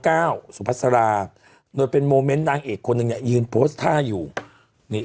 ก้าวสุพัสราโดยเป็นนางเอกคนหนึ่งเนี้ยยืนโพสตาร์อยู่นี่